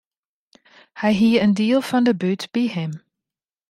Hy hie in diel fan de bút by him.